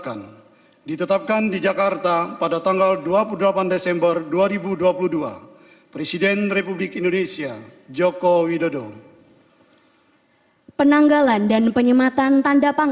kedua keputusan presiden ini mulai berlaku pada tahun dua ribu dua puluh dua